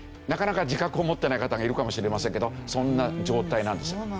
なかなか自覚を持ってない方がいるかもしれませんけどそんな状態なんですよ。